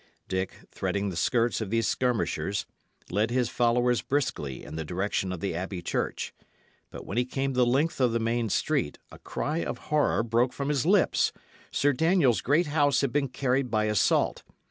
Dick, threading the skirts of these skirmishers, led his followers briskly in the direction of the abbey church; but when he came the length of the main street, a cry of horror broke from his lips. Sir Daniel's great house had been carried by assault.